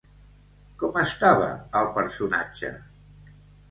Com estava el personatge?